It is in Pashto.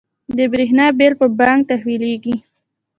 د بریښنا بیل په بانک تحویلیږي؟